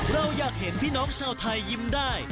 เราอยากเห็นพี่น้องชาวไทยยิ้มได้